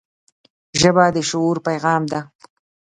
ژبه د شعور پیغام ده